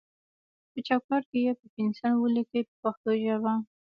په چوکاټ کې یې په پنسل ولیکئ په پښتو ژبه.